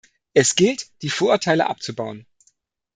Es gilt, die Vorurteile abzubauen.